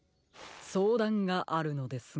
そうだんがあるのですが。